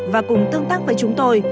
và cùng tương tác với chúng tôi